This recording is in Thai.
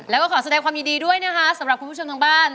แล้วก็ขอแสดงความยุดดีสำหรับคุณผู้ชมทางบ้าน